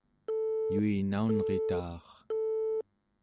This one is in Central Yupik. yuinaunrita'ar